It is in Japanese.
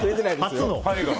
初の。